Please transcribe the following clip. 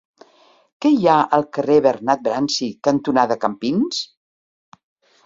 Què hi ha al carrer Bernat Bransi cantonada Campins?